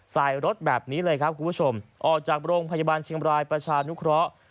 ใส่รถแบบนี้เลยครับคุณผู้ชมออกจากโรงพยาบาลเชียงบรายประชานุเคราะห์